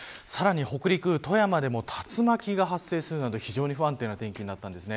さらに北陸、富山でも竜巻が発生するなど、非常に不安定な天気になりました。